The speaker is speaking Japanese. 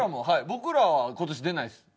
僕らは今年出ないです。